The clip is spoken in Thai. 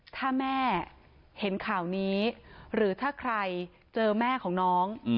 ถ้าแม่เห็นข่าวนี้หรือถ้าใครเจอแม่ของน้อง